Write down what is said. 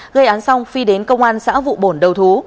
gây án xong phi đến công an xã vụ bổn đầu thú